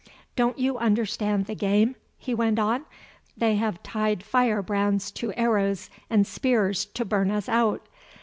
"Don't you understand the game?" he went on. "They have tied firebrands to arrows and spears to burn us out.